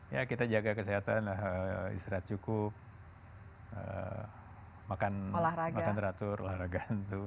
ya kita jaga kesehatan istirahat cukup makan teratur olahraga hantu